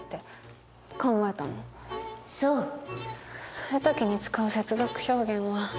そういう時に使う接続表現は。